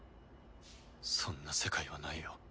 そんな世界はないよ。